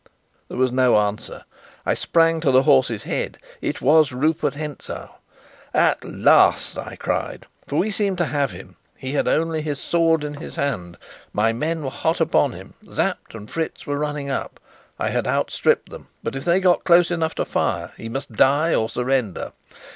There was no answer. I sprang to the horse's head. It was Rupert Hentzau. "At last!" I cried. For we seemed to have him. He had only his sword in his hand. My men were hot upon him; Sapt and Fritz were running up. I had outstripped them; but if they got close enough to fire, he must die or surrender.